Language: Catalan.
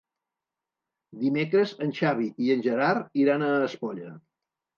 Dimecres en Xavi i en Gerard iran a Espolla.